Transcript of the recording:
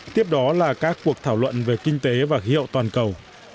tiếp đó là các cuộc thảo luận về kinh tế và khí hậu toàn cầu